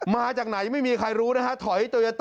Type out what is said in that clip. บ้านรวย